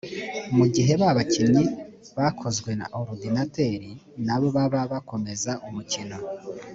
mu gihe ba bakinnyi bakozwe na orudinateri na bo baba bakomeza umukino